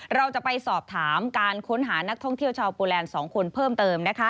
เราจะไปสอบถามการค้นหานักท่องเที่ยวชาวโปแลนด์๒คนเพิ่มเติม